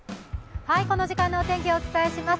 この時間のお天気をお伝えします。